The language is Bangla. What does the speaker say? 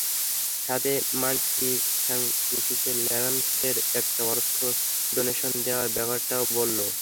সাথে ম্যান্টি স্যাংচুয়ারিতে লভ্যাংশের একটা অর্থ ডোনেশন দেওয়ার ব্যাপারটাও বলব।